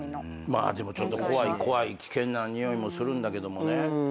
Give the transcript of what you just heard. まあでもちょっと怖い危険なにおいもするんだけどもね。